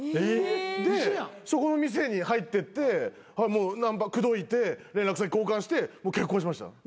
でそこの店に入ってって口説いて連絡先交換して結婚しました。